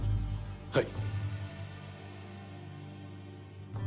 はい。